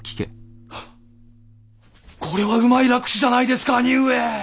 これはうまい落首じゃないですか兄上！